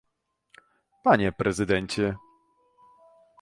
Panie prezydencie